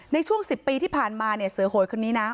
ในช่วง๑๐ปีที่ผ่านมาเนี่ยเสือโหยคนนี้นะ